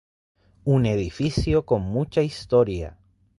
Un edificio con mucha historia.